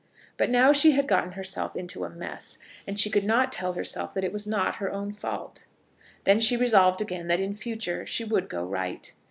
But now she had gotten herself into a mess, and she could not tell herself that it was not her own fault. Then she resolved again that in future she would go right.